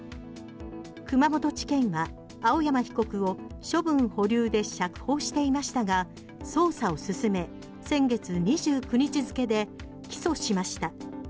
熊本地検は青山被告を処分保留で釈放していましたが捜査を進め先月２９日付で起訴しました。